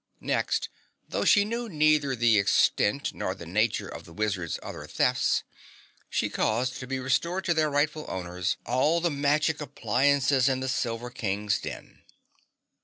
Next, though she knew neither the extent nor the nature of the wizard's other thefts she caused to be restored to their rightful owners all the magic appliances in the Silver King's den.